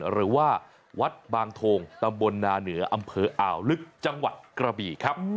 หรือว่าวัดบางโทงตำบลนาเหนืออำเภออ่าวลึกจังหวัดกระบี่ครับ